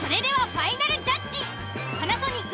「パナソニック」